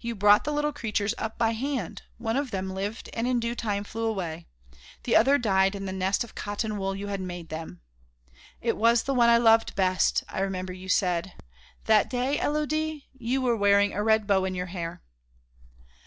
You brought the little creatures up by hand; one of them lived and in due time flew away. The other died in the nest of cotton wool you had made him. 'It was the one I loved best,' I remember you said. That day, Élodie, you were wearing a red bow in your hair."